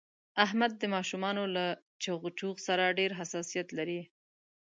احمد د ماشومانو له چغ چوغ سره ډېر حساسیت لري.